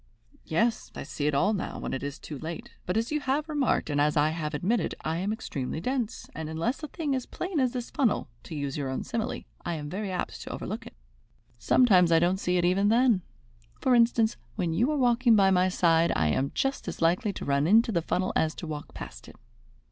"Yes, I see it all now, when it is too late; but as you have remarked, and as I have admitted, I am extremely dense, and unless a thing is as plain as the funnel to use your own simile I am very apt to overlook it. Sometimes I don't see it even then. For instance, when you are walking by my side, I am just as likely to run into the funnel as to walk past it."